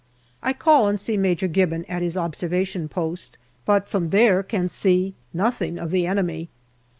I call and see Major Gibbon at his observation post, but from there can see nothing of the enemy.